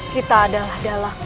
kita adalah dalangnya